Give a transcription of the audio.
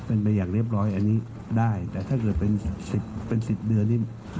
เป็นไปอย่างเรียบร้อยอันนี้ได้แต่ถ้าเกิดเป็น๑๐เป็น๑๐เดือนนี่